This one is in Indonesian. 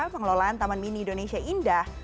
pengelolaan taman mini indonesia indah